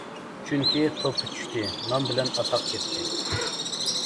چۈنكى توپا چۈشتى نام بىلەن ئاتاق كەتتى.